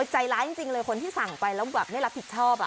ใจร้ายจริงเลยคนที่สั่งไปแล้วแบบไม่รับผิดชอบ